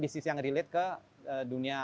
bisnis yang relate ke dunia